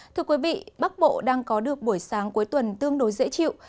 thưa quý vị bắc bộ đang có được buổi sáng cuối tuần tương đối dễ chịu